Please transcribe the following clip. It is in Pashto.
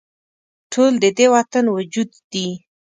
ټول د دې وطن وجود دي